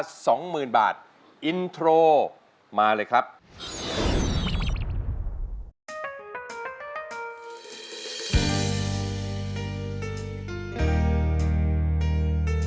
เชิญค่ะโอ้เต้นเสร็จแล้วก่อจะขึ้นเขาอย่างนี้ก่อนนะ